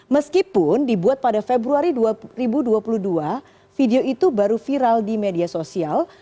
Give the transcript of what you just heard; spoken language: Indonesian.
meskipun dibuat pada februari dua ribu dua puluh dua video itu baru viral di media sosial